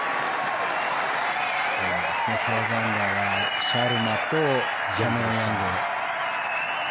４アンダーはシャルマとキャメロン・ヤング。